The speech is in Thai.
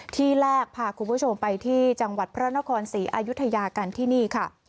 ที่แรกพาคุณผู้ชมไปที่จังหวัดพระนครศรีอายุทยากันที่นี่ค่ะ